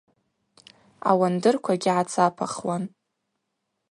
Ауандырквагьи гӏацапахуан.